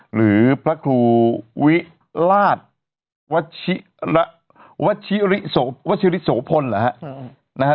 หรือพระครูวิราชวัชิวัชิริวัชิริสโภพลหรอฮะอืมนะฮะ